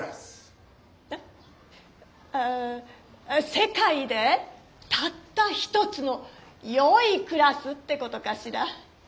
世界でたった一つのよいクラスってことかしら？